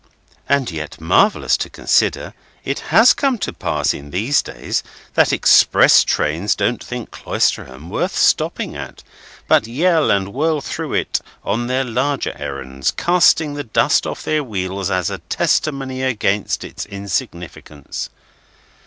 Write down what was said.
And yet, marvellous to consider, it has come to pass, in these days, that Express Trains don't think Cloisterham worth stopping at, but yell and whirl through it on their larger errands, casting the dust off their wheels as a testimony against its insignificance.